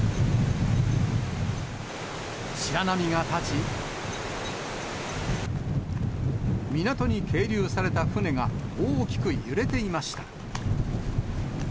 白波が立ち、港に係留された船が大きく揺れていました。